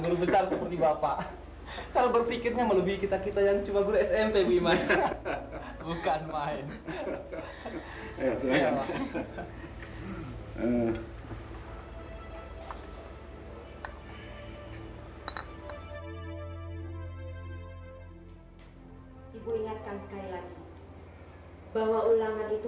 lusa jam ketiga dan keempat